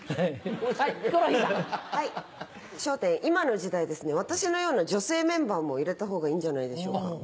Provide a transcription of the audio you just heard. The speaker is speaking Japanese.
今の時代私のような女性メンバーも入れたほうがいいんじゃないでしょうか。